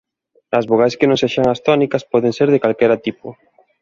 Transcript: As vogais que non sexan as tónicas poden ser de calquera tipo.